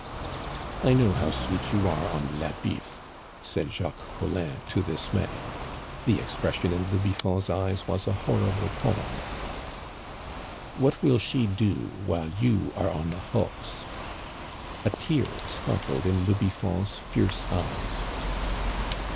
"I know how sweet you are on la Biffe," said Jacques Collin to this man. The expression in le Biffon's eyes was a horrible poem. "What will she do while you are on the hulks?" A tear sparkled in le Biffon's fierce eyes.